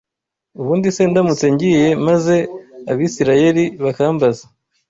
Ubundi se ndamutse ngiye maze Abisirayeli bakambaza